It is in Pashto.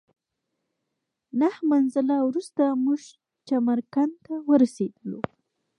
نهه منزله وروسته موږ چمرکنډ ته ورسېدلو.